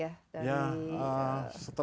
ya setelah kita proses